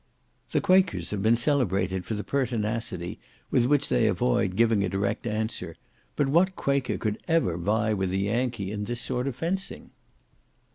The Quakers have been celebrated for the pertinacity with which they avoid giving a direct answer, but what Quaker could ever vie with a Yankee in this sort of fencing?